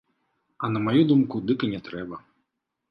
А на маю думку, дык і не трэба.